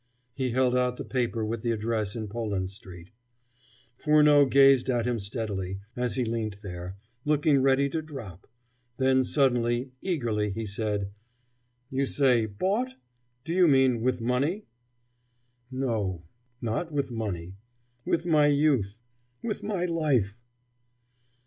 He held out the paper with the address in Poland Street. Furneaux gazed at him steadily as he leant there, looking ready to drop; then suddenly, eagerly, he said: "You say 'bought': do you mean with money?" "No, not with money with my youth, with my life!"